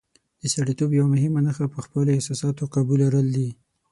د سړیتوب یوه مهمه نښه په خپلو احساساتو قابو لرل دي.